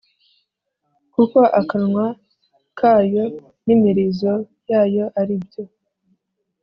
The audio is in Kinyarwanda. Kuko akanwa kayo n imirizo yayo ari byo